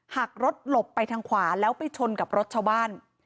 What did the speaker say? หักรถหลบไปทางขวาแล้วไปชนกับรถชาวบ้าน